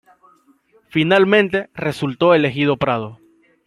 Finalmente, resultó elegido Prado.